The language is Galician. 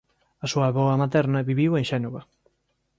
A súa avoa materna viviu en Xénova.